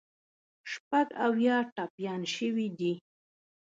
شپږ اویا ټپیان شوي دي.